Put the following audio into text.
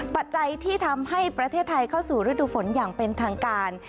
ปัจจัยที่ทำให้ประเทศไทยเข้าสู่ฤดูฝนอย่างเป็นทางการ